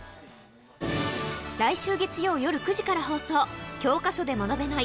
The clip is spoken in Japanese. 来週月曜夜９時から放送、教科書で学べない